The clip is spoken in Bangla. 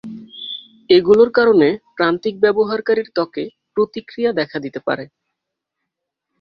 এগুলোর কারণে প্রান্তিক ব্যবহারকারীর ত্বকে প্রতিক্রিয়া দেখা দিতে পারে।